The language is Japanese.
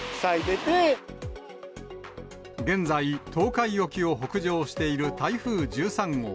現在、東海沖を北上している台風１３号。